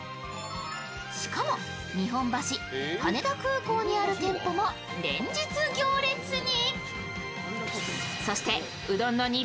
しかも日本橋、羽田空港にある店舗も連日行列に。